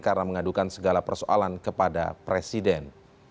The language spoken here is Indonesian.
karena mengadukan segala persoalan kepada presiden